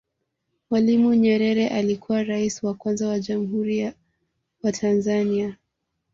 Mwalimu Nyerere alikuwa Rais wa kwanza wa Jamhuri ya wa Tanzania